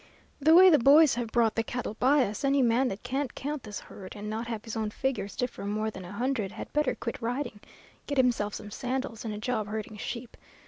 The way the boys have brought the cattle by us, any man that can't count this herd and not have his own figures differ more than a hundred had better quit riding, get himself some sandals, and a job herding sheep.